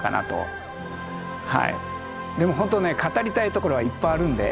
でもほんとね語りたいところはいっぱいあるんで。